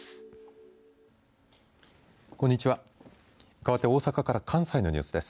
かわって大阪から関西のニュースです。